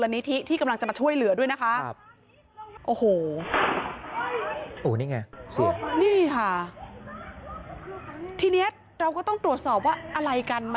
นี่ค่ะทีเนียตเราก็ต้องตรวจสอบว่าอะไรกัน